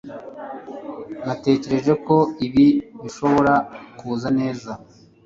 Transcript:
natekereje ko ibi bishobora kuza neza